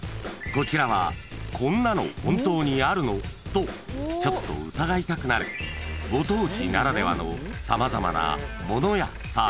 ［こちらはこんなの本当にあるの？とちょっと疑いたくなるご当地ならではの様々な物やサービス］